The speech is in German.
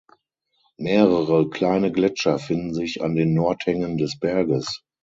Mehrere kleine Gletscher finden sich an den Nordhängen des Berges.